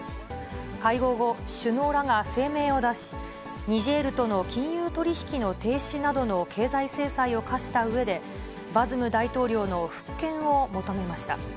会合後、首脳らが声明を出し、ニジェールとの金融取り引きの停止などの経済制裁を科したうえで、バズム大統領の復権を求めました。